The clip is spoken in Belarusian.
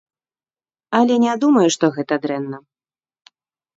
Але не думаю, што гэта дрэнна.